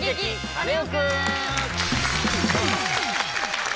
カネオくん」！